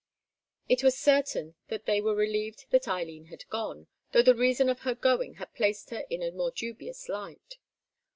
It was certain that they were relieved that Eileen had gone, though the reason of her going had placed her in a more dubious light.